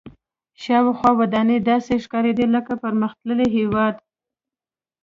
شاوخوا ودانۍ داسې ښکارېدې لکه پرمختللي هېواد.